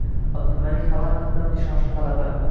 Abdumalik Xalakovdan ishonchli g‘alabang